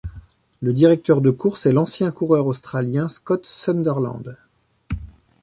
Le directeur de course est l'ancien coureur australien Scott Sunderland.